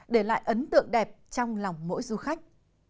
để lại ấn tượng đẹp trong lòng mỗi du khách